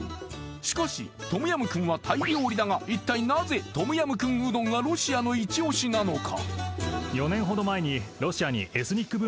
しかしトムヤムクンはタイ料理だが一体なぜトムヤムクンうどんがロシアのイチオシなのか？